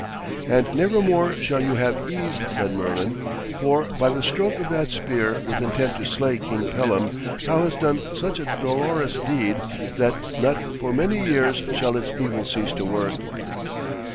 'And never more shall you have ease,' said Merlin. 'For by the stroke of that spear with intent to slay King Pellam thou hast done such a dolorous deed that not for many years shall its evil cease to work.'